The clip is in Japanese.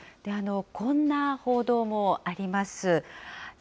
こんな報道もあります。